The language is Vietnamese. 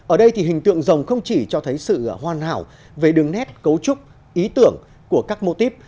ở đây thì hình tượng rồng không chỉ cho thấy sự hoàn hảo về đường nét cấu trúc ý tưởng của các mô típ